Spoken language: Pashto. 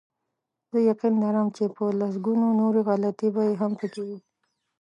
زه یقین لرم چې په لسګونو نورې غلطۍ به هم پکې وي.